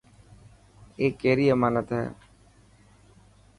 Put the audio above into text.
اي ڪيري امانت هي.